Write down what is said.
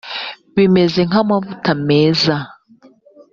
bimeze nk amavuta meza